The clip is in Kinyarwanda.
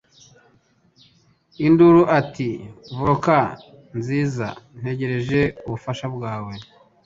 induru ati Vulcan Nziza Ntegereje ubufasha bwawe